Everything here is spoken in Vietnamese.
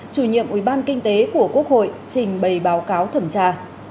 chủ nhiệm ubtc của quốc hội trình bày báo cáo thẩm tra